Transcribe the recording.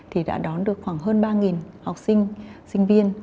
thì đã đón được khoảng hơn ba học sinh sinh viên